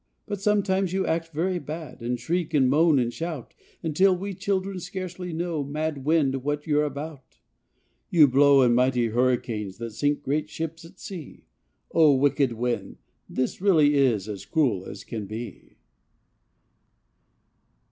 62 But sometimes you act very bad, And shriek and moan and shout, Until we children scarcely know, Mad wind what you're about. You blow in mighty hurricanes That sink great ships at sea, O, wicked wind, this really is As cruel as can be.